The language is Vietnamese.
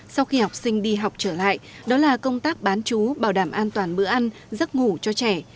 sau khi học sinh đi học trở lại đó là công tác bán chú bảo đảm an toàn bữa ăn giấc ngủ cho trẻ